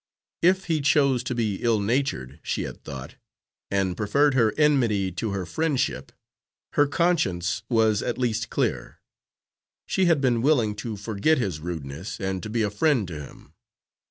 If he chose to be ill natured, she had thought, and preferred her enmity to her friendship, her conscience was at least clear. She had been willing to forget his rudeness and be a friend to him.